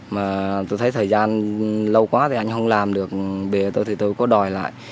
mà tôi thấy thời gian lâu quá thì anh không làm được bìa tôi thì tôi có đòi lại